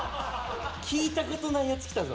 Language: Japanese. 聞いたことないやつきたぞ。